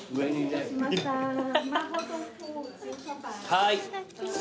はい。